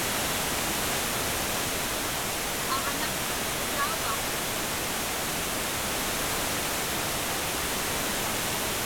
Aġnaq mitqutauva?